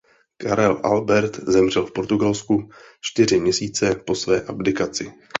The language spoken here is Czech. Karel Albert zemřel v Portugalsku čtyři měsíce po své abdikaci.